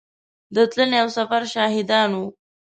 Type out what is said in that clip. د تلنې او سفر شاهدان وو.